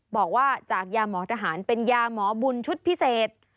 บอกว่าจากยาหมอทหารเป็นยาหมอบุญชุดพิเศษ